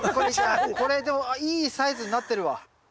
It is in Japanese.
これでもいいサイズになってるわ。